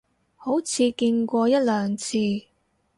好似見過一兩次